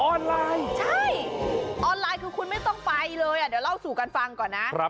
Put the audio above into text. อ่อโอ้โหอ่อนไหลน์ใช่ออนไลน์คือคุณไม่ต้องไปเลยอ่ะเดี๋ยวเราสู่กันฟังก่อนนะ